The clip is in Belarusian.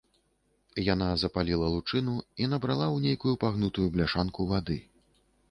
Яна запаліла лучыну і набрала ў нейкую пагнутую бляшанку вады.